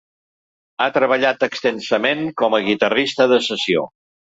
Ha treballat extensament com a guitarrista de sessió.